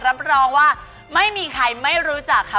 รับรองว่าไม่มีใครไม่รู้จักค่ะ